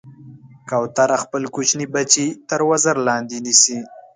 کوتره خپل کوچني بچي تر وزر لاندې نیسي.